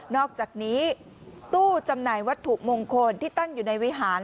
อกจากนี้ตู้จำหน่ายวัตถุมงคลที่ตั้งอยู่ในวิหาร